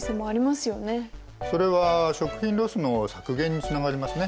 それは食品ロスの削減につながりますね。